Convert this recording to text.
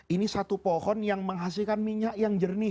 ini satu pohon yang menghasilkan minyak yang jernih